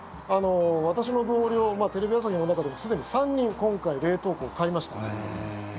私の同僚テレビ朝日の中でもすでに３人今回、冷凍庫を買いました。